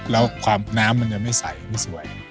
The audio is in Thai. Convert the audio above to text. แล้วความน้ำมันยังไม่ใสไม่สวย